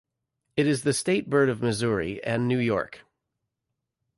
It is the state bird of Missouri and New York.